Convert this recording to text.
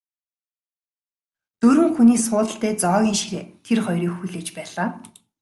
Дөрвөн хүний суудалтай зоогийн ширээ тэр хоёрыг хүлээж байлаа.